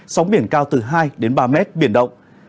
sóng biển cao từ hai đến ba mét biển động